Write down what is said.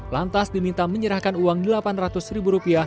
lantas diminta menyerahkan uang rp delapan ratus